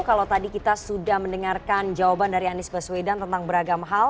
kalau tadi kita sudah mendengarkan jawaban dari anies baswedan tentang beragam hal